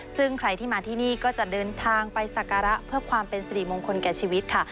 ซึ่งใครที่มาที่นี่ก็จะเดินทางไปสักการะเพื่อความเป็นสิริมงคลแก่ชีวิตค่ะ